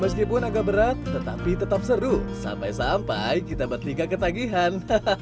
meskipun agak berat tetapi tetap seru sampai sampai kita bertiga ketagihan